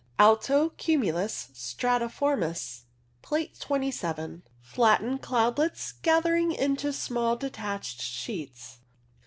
Alto cumulus stratiformis (Plate 27). Flattened cloudlets gathering into small detached sheets.